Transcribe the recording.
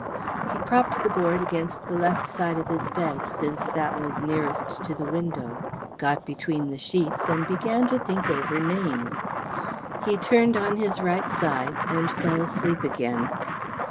He propped the board against the left side of his bed, since that was nearest to the window, got between the sheets, and began to think over names. He turned on his right side and fell asleep again.